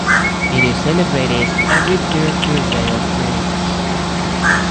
It is celebrated every third Thursday of May.